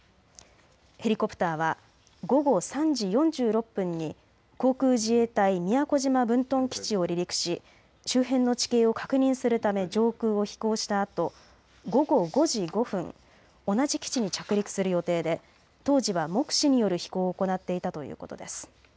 ヘリコプターは午後３時４６分に航空自衛隊宮古島分屯基地を離陸し周辺の地形を確認するため上空を飛行したあと午後５時５分、同じ基地に着陸する予定で当時は目視による飛行を行っていたということです。